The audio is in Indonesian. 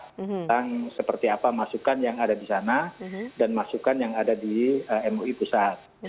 tentang seperti apa masukan yang ada di sana dan masukan yang ada di mui pusat